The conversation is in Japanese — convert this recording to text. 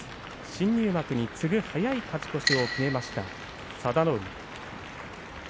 新入幕に次ぐ早い勝ち越しを決めました佐田の海。